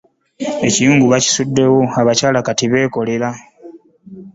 Ekiyungu baakisuddewo abakyala kati beekolera.